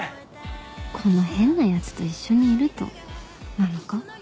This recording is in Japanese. この変なヤツと一緒にいるとなのか？